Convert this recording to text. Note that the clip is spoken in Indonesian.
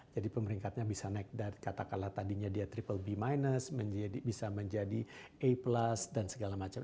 jadi pemeringkatnya bisa naik dari kata kala tadinya dia triple b minus bisa menjadi a plus dan segala macam